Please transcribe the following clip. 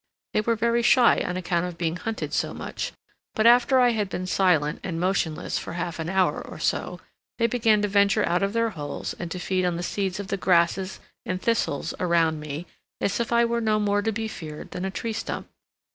They were very shy on account of being hunted so much; but after I had been silent and motionless for half an hour or so they began to venture out of their holes and to feed on the seeds of the grasses and thistles around me as if I were no more to be feared than a tree stump.